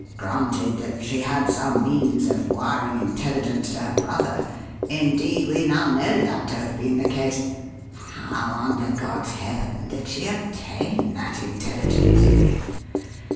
Granted that she had some means of wiring intelligence to her brother indeed, we now know that to have been the case how under God's heaven did she obtain that intelligence?"